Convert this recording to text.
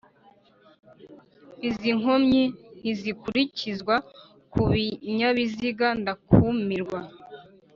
Izi nkomyi ntizikurikizwa ku binyabiziga ndakumirwa